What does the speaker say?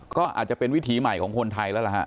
ก็อาจจะเป็นวิถีใหม่ของคนไทยแล้วล่ะฮะ